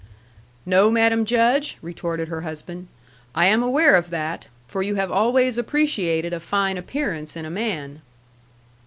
"No, Madam Judge," retorted her husband; "I am aware of that. For you have always appreciated a fine appearance in a man."